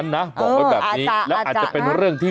หยนต์